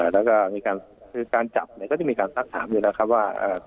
แล้วก็มีการคือการจับเนี่ยก็จะมีการซักถามอยู่แล้วครับว่า